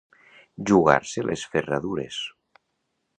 Jugar-se les ferradures.